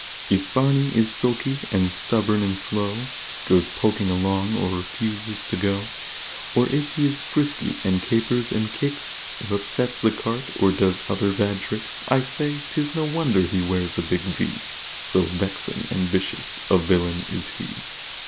If Barney is sulky and stubborn and slow, Goes poking along or refuses to go, Or if he is frisky and capers and kicks, Or upsets the cart, or does other bad tricks, I say 'tis no wonder he wears a big V, So Vexing and Vicious a Villain is he!